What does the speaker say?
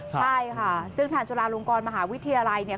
ใช่ค่ะซึ่งทางจุฬาลงกรมหาวิทยาลัยเนี่ย